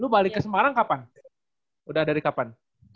balik ke semarang kapan udah dari kapan